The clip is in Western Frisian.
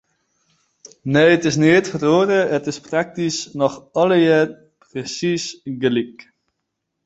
Nee, it is neat feroare, it is praktysk noch allegear persiis gelyk.